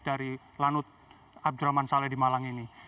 dari lanut abdurrahman saleh di malang ini